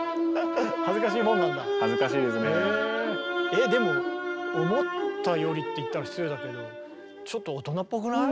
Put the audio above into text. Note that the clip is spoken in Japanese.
えでも思ったよりって言ったら失礼だけどちょっと大人っぽくない？